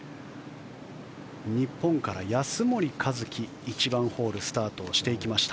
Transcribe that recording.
日本から安森一貴、１番ホールスタートしていきました。